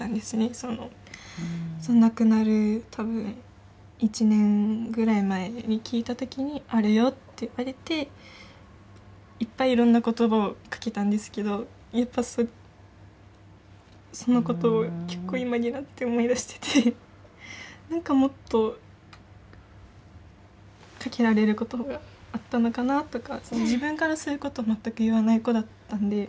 その亡くなる多分１年ぐらい前に聞いた時に「あるよ」って言われていっぱいいろんな言葉をかけたんですけどやっぱそのことを結構今になって思い出してて何かもっとかけられる言葉があったのかなとか自分からそういうことを全く言わない子だったんで。